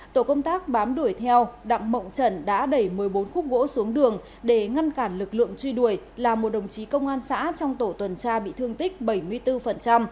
tổ công tác bám đuổi theo đặng mộng trần đã đẩy một mươi bốn khúc gỗ xuống đường để ngăn cản lực lượng truy đuổi làm một đồng chí công an xã trong tổ tuần tra bị thương tích bảy mươi bốn